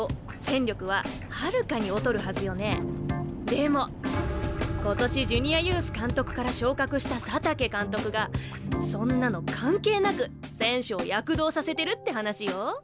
でも今年ジュニアユース監督から昇格した佐竹監督がそんなの関係なく選手を躍動させてるって話よ。